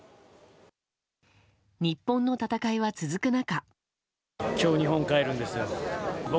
日本の戦いは続く中。